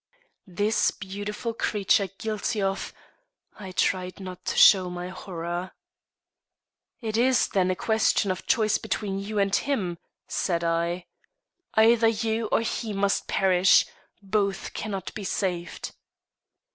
This beautiful creature guilty of I tried not to show my horror. "It is, then, a question of choice between you and him?" said I. "Either you or he must perish. Both cannot be saved."